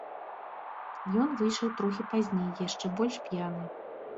Ён выйшаў трохі пазней, яшчэ больш п'яны.